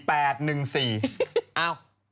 อ้าว